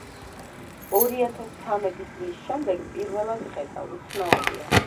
ორი ათას ცამეტი წლის შემდეგ პირველად ვხედავ, უცნაურია.